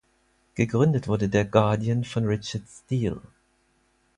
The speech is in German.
Gegründet wurde der "Guardian" von Richard Steele.